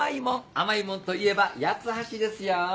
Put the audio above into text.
甘いもんといえば八ツ橋ですよ。